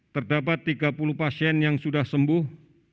terdapat tiga puluh pasien yang sudah sembuh